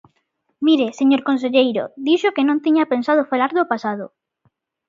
Mire, señor conselleiro, dixo que non tiña pensado falar do pasado.